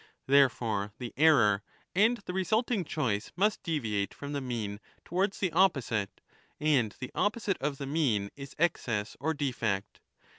Therefore, the error and the resulting choice must deviate from the mean towards the opposite — and the opposite of the mean is excess or defect.